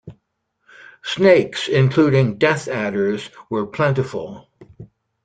Snakes including death adders were plentiful.